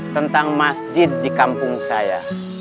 tentang masjid di kampung saya